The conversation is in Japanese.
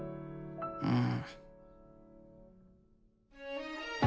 うん。